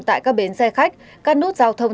tại các bến xe khách các nút giao thông